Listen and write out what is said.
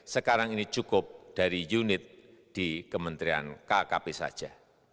sekarang ini cukup dari unit di kementerian kkp saja